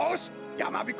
やまびこ